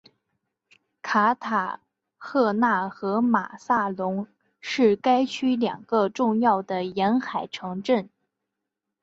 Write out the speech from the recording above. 卡塔赫纳和马萨龙是该区两个重要的沿海城镇。